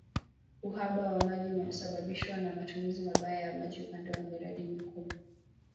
Uhaba wa maji umesababishwa na matumizi mabaya ya maji upande wa miradi mikubwa